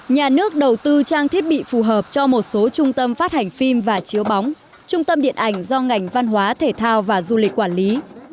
nhà nước đầu tư trang thiết bị phù hợp cho một số trung tâm phát hành phim và chiếu bóng trung tâm điện ảnh do ngành văn hóa thể thao và du lịch quản lý